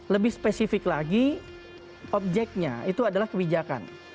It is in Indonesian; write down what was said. lebih spesifik lagi objeknya itu adalah kebijakan